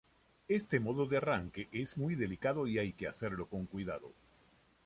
Este modo de arranque es muy delicado y hay que hacerlo con cuidado.